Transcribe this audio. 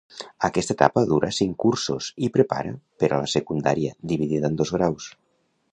Aquesta etapa dura cinc cursos i prepara per a la secundària, dividida en dos graus.